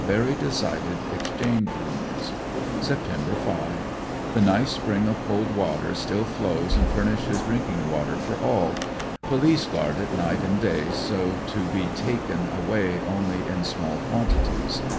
Very decided ex change rumors. Sept. 5. — The nice spring of cold water still flows and furnishes drinking water for all ; police guard it night and day so to be taken away only in small quantities.